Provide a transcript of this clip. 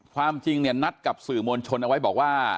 ความจริงเนี่ยนัดกับสื่อมวลชนเอาไว้บอกว่า